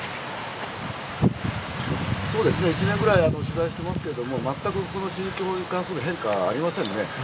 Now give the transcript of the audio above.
そうですね、１年ぐらい取材してますけども、全くその心境に関する変化はありませんね。